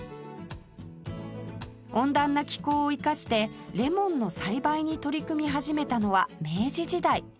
温暖な気候を生かしてレモンの栽培に取り組み始めたのは明治時代